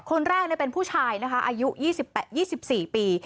คนแรกเนี่ยเป็นผู้ชายนะคะอายุยี่สิบแปดยี่สิบสี่ปี